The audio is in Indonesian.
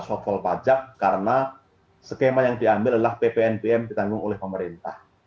menambah soal pajak karena skema yang diambil adalah ppn pm ditanggung oleh pemerintah